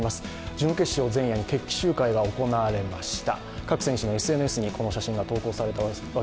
準決勝前夜に決起集会が行われました。